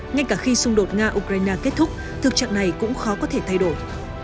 ngay cả khi xung đột nga ukraine kết thúc thực trạng này cũng khó có thể thay đổi